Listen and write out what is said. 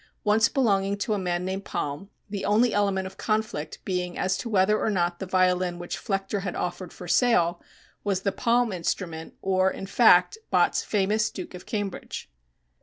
once belonging to a man named Palm, the only element of conflict being as to whether or not the violin which Flechter had offered for sale was the Palm instrument, or, in fact, Bott's famous "Duke of Cambridge."